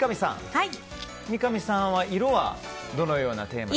三上さんは色はどのようなテーマで。